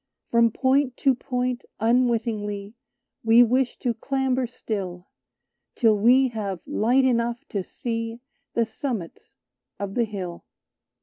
From point to point unwittingly We wish to clamber still, Till we have light enough to see The summits of the hill.